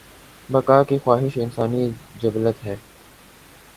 بقا کی خواہش انسانی جبلت ہے۔